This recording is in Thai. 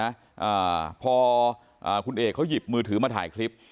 อ่าพออ่าคุณเอกเขาหยิบมือถือมาถ่ายคลิป